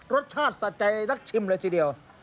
รสชาติสะใจนักชิมเลยทีเดียว